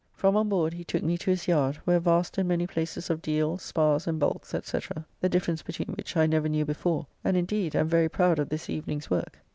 From on board he took me to his yard, where vast and many places of deals, sparrs, and bulks, &c., the difference between which I never knew before, and indeed am very proud of this evening's work.